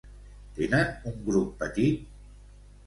Tenen un grup petit?